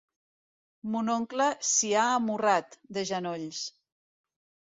Mon oncle s'hi ha amorrat, de genolls.